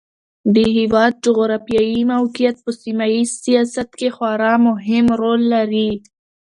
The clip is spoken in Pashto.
د هېواد جغرافیایي موقعیت په سیمه ییز سیاست کې خورا مهم رول لري.